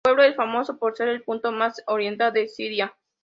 El pueblo es famoso por ser el punto más oriental de Siria.